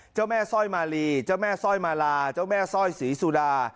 เจ้าแม่สร้อยมาลีเจ้าแม่สร้อยมาลาเจ้าแม่สร้อยศรีสุดา